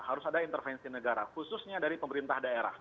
harus ada intervensi negara khususnya dari pemerintah daerah